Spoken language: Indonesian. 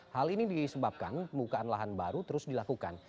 hal ini disebabkan pembukaan lahan baru terus dilakukan